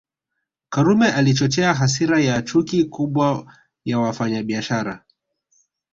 Karume alichochea hasira na chuki kubwa ya wafanyabiashara